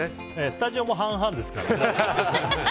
スタジオも半々ですからね。